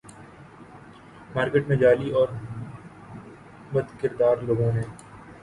market میں جعلی اور بدکردار لوگوں نے